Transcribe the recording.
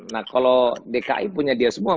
nah kalau dki punya dia semua